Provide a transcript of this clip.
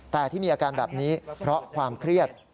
แต่ที่มีอาการแบบนี้เพราะความเครียด